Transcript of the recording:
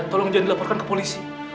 tolong jangan dilaporkan ke polisi